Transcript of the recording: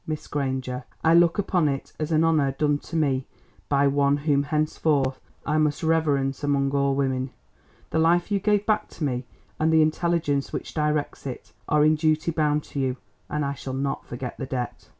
"Miss Granger, I look upon it as an honour done to me by one whom henceforth I must reverence among all women. The life you gave back to me, and the intelligence which directs it, are in duty bound to you, and I shall not forget the debt."